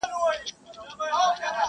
• په ژوندینه راته سپي ویل باداره..